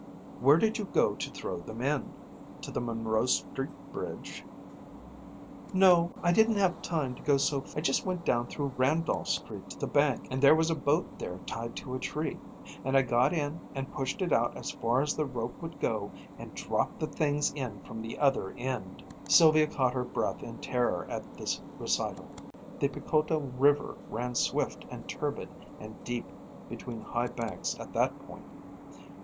"Where did you go to throw them in? To the Monroe Street bridge?" "No, I didn't have time to go so far. I just went down through Randolph Street to the bank and there was a boat there tied to a tree, and I got in and pushed it out as far as the rope would go and dropped the things in from the other end." Sylvia caught her breath in terror at this recital. The Piquota river ran swift and turbid and deep between high banks at that point.